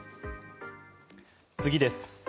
次です。